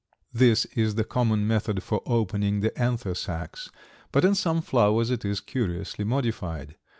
This is the common method for opening the anther sacs, but in some flowers it is curiously modified.